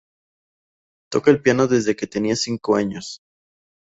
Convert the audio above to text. Toca el piano desde que tenía cinco años.